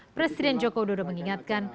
presiden joko widodo mengingatkan